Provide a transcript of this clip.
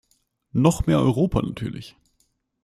Noch mehr Europa natürlich.